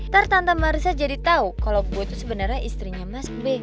ntar tante marissa jadi tau kalo gue itu sebenernya istrinya mas be